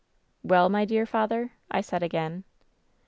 "* Well, my dear father V I said again.